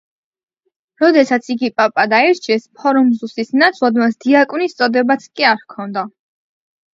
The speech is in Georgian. როდესაც იგი პაპად აირჩიეს ფორმოზუსის ნაცვლად, მას დიაკვნის წოდებაც კი არ ჰქონდა.